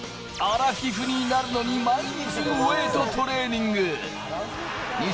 アラフィフになるのに毎日、ウエイトトレーニング！